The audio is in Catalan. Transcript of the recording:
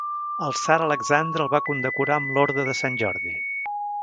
El tsar Alexandre el va condecorar amb l'Orde de Sant Jordi.